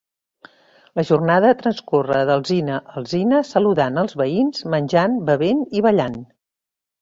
La jornada transcorre d'alzina a alzina saludant els veïns, menjant, bevent i ballant.